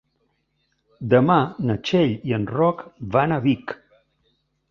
Demà na Txell i en Roc van a Vic.